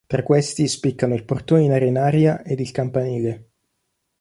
Tra questi spiccano il portone in arenaria ed il campanile.